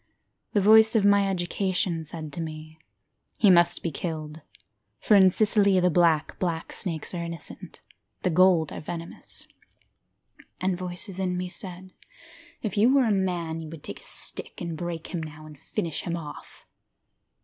The voice of my education said to me He must be killed, For in Sicily the black, black snakes are innocent, the gold are venomous. And voices in me said, If you were a man You would take a stick and break him now, and finish him off.